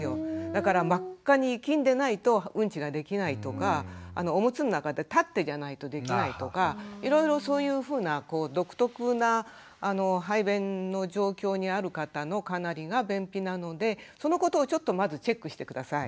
だから真っ赤にいきんでないとうんちができないとかおむつの中で立ってじゃないとできないとかいろいろそういうふうな独特な排便の状況にある方のかなりが便秘なのでそのことをちょっとまずチェックして下さい。